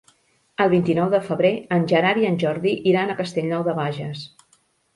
El vint-i-nou de febrer en Gerard i en Jordi iran a Castellnou de Bages.